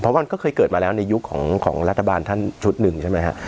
เพราะว่าก็เคยเกิดมาแล้วในยุคของรัฐบาลท่านชุดหนึ่งใช่ไหมฮะ